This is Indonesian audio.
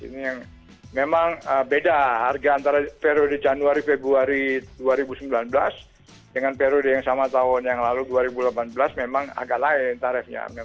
ini yang memang beda harga antara periode januari februari dua ribu sembilan belas dengan periode yang sama tahun yang lalu dua ribu delapan belas memang agak lain tarifnya